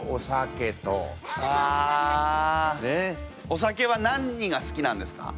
お酒は何が好きなんですか？